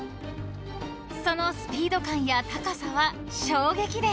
［そのスピード感や高さは衝撃です］